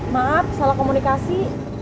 maap salah komunikasi